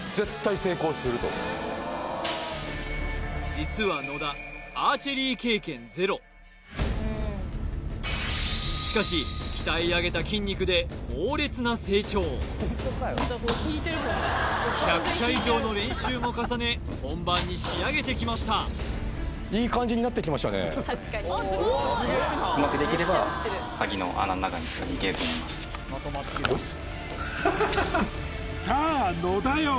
実は野田しかし鍛え上げた筋肉で猛烈な成長１００射以上の練習も重ね本番に仕上げてきましたと思いますさあ野田よ